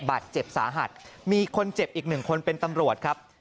บาดเจ็บสาหัสมีคนเจ็บอีกหนึ่งคนเป็นตำรวจครับ